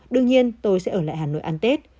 đương nhiên tôi sẽ ở lại hà nội ăn tết